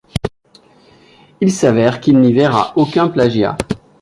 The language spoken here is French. Il s'avère qu'il n'y verra aucun plagiat.